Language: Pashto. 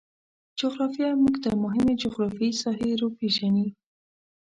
جغرافیه موږ ته مهمې جغرفیاوې ساحې روپیژني